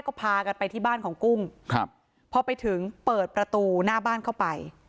ก็พากันไปที่บ้านของกุ้งครับพอไปถึงเปิดประตูหน้าบ้านเข้าไป